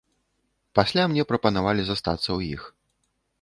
Пасля мне прапанавалі застацца ў іх.